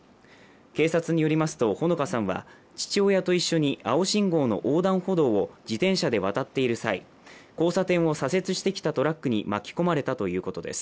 警察によりますと、穂香さんは父親と一緒に青信号の横断歩道を自転車で渡っている際交差点を左折してきたトラックに巻き込まれたということです。